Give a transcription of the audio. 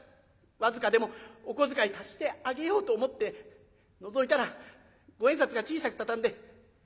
僅かでもお小遣い足してあげようと思ってのぞいたら五円札が小さく畳んで３枚入ってる１５円入ってる。